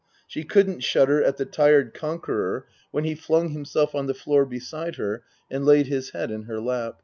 She couldn't shudder at the tired conqueror when he flung himself on the floor beside her and laid his head in her lap.